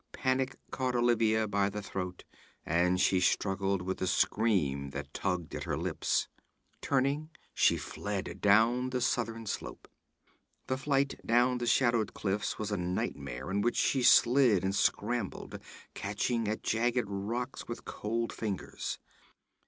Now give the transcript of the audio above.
Panic caught Olivia by the throat, and she struggled with the scream that tugged at her lips. Turning, she fled down the southern slope. That flight down the shadowed cliffs was a nightmare in which she slid and scrambled, catching at jagged rocks with cold fingers.